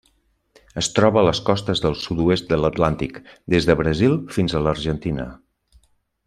Es troba a les costes del sud-oest de l'Atlàntic: des de Brasil fins a l'Argentina.